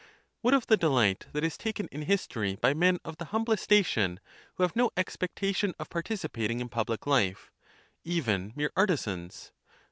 What of the delight that is taken in history by men of the humblest station, who have no expectation of participating in public life, even mere artisans?